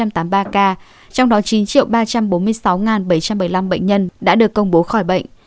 trong đó chín ba trăm bốn mươi sáu bảy trăm bảy mươi năm bệnh nhân đã được công bố khỏi bệnh